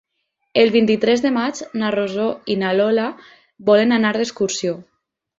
El vint-i-tres de maig na Rosó i na Lola volen anar d'excursió.